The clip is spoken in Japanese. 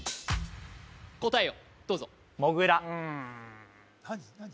答えをどうぞ何？